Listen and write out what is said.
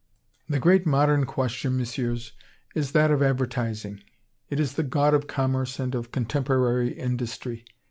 "The great modern question, Messieurs, is that of advertising. It is the god of commerce and of contemporary industry.